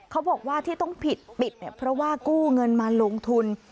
เขาบอกว่าที่ต้องผิดปิดเนี่ยเพราะว่ากู้เงินมาลงทุน